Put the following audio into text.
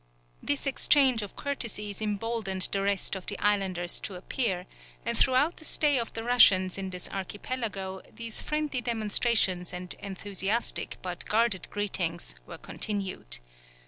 This exchange of courtesies emboldened the rest of the islanders to appear, and throughout the stay of the Russians in this archipelago these friendly demonstrations and enthusiastic but guarded greetings were continued.